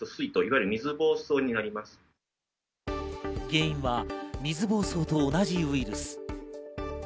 原因は水ぼうそうと同じウイルス。